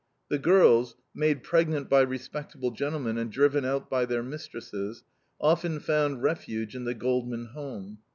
The girls, made pregnant by respectable gentlemen and driven out by their mistresses, often found refuge in the Goldman home.